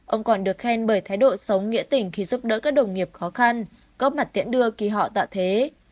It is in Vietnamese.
ông còn được khen bởi thái độ sống nghĩa tỉnh khi giúp đỡ các đồng nghiệp khó khăn góp mặt tiễn đưa khi họ tạ thế